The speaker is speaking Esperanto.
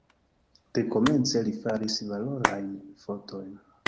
Dekomence li faris valorajn fotojn.